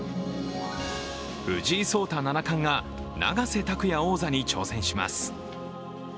藤井聡太七冠が永瀬拓矢王座に挑戦します。